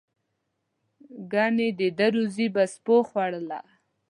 گني د ده روزي به سپیو خوړله.